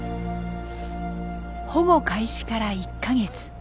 保護開始から１か月。